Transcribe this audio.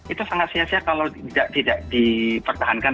itu sangat sia sia kalau tidak dipertahankan